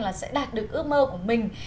là sẽ đạt được ước mơ của mình